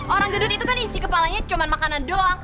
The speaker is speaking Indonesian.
orang gedut itu kan isi kepalanya cuma makanan doang